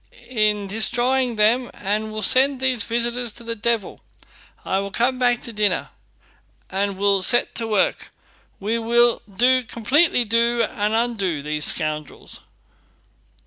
"in destroying them, and will send these visitors to the devil. I will come back to dinner, and we'll set to work. We will do, completely do, and undo these scoundrels."